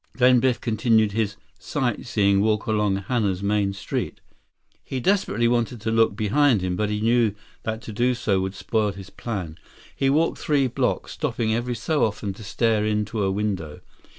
Then Biff continued his "sight seeing" walk along Hana's main street. 79 He desperately wanted to look behind him, but he knew that to do so would spoil his plan. He walked three blocks, stopping every so often to stare into a window.